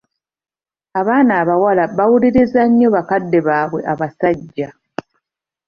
Abaana abawala bawuliriza nnyo bakadde baabwe abasajja.